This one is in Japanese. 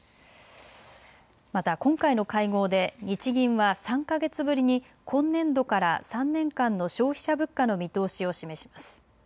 また今回の会合で日銀は３か月ぶりに今年度から３年間の消費者物価の見通しを示します。